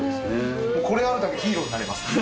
これがあるだけでヒーローになれます。